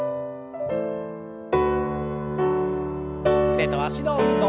腕と脚の運動。